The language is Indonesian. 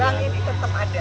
bank ini tetap ada